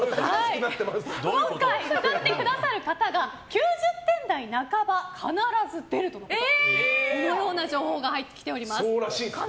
今回、歌ってくださる方が９０点台半ば、必ず出るというこのような情報が入っております。